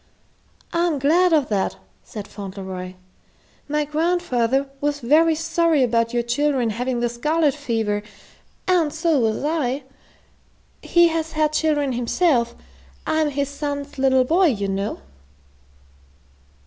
"I'm glad of that," said Fauntleroy. "My grandfather was very sorry about your children having the scarlet fever, and so was I. He has had children himself. I'm his son's little boy, you know."